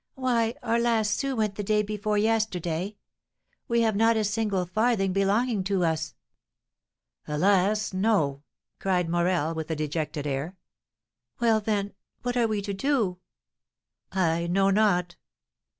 Why, our last sou went the day before yesterday. We have not a single farthing belonging to us!" "Alas, no!" cried Morel, with a dejected air. "Well, then, what are we to do?" "I know not."